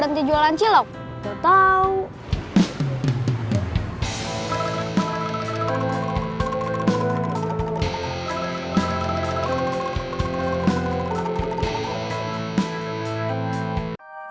kangen deh sama celoknya om ubed